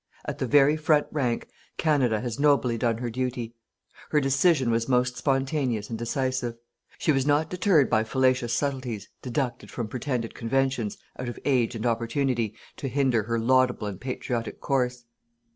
At the very front rank, Canada has nobly done her duty. Her decision was most spontaneous and decisive. She was not deterred by fallacious subtilties, deducted from pretended conventions, out of age and opportunity, to hinder her laudable and patriotic course.